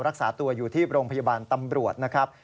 รักษาตัวอยู่ที่โรงพยาบาลตำรวจนะครับ